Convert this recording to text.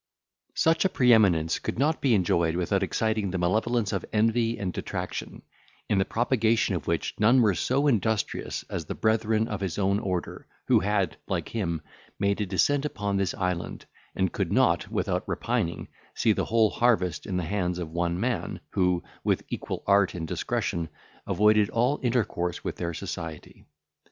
Such a pre eminence could not be enjoyed without exciting the malevolence of envy and detraction, in the propagation of which none were so industrious as the brethren of his own order, who had, like him, made a descent upon this island, and could not, without repining, see the whole harvest in the hands of one man, who, with equal art and discretion, avoided all intercourse with their society.